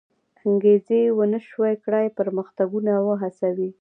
انګېزې و نه شوی کړای پرمختګونه وهڅوي.